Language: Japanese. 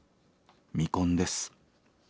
未婚です。